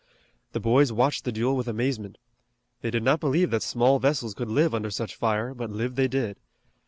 The boys watched the duel with amazement. They did not believe that small vessels could live under such fire, but live they did.